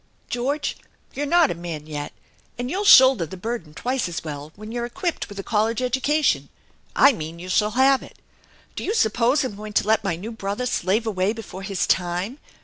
" George, you're not a man yet, and you'll shoulder the burden twice as well when you're equipped with a college education. I mean you shall have it. Do you suppose I'm going to let my new brother slave away before his time?